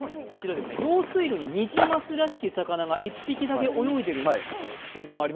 用水路にニジマスらしき魚が１匹だけ泳いでいます。